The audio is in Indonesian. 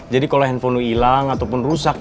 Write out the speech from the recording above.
jadi kalo handphone lu ilang ataupun rusak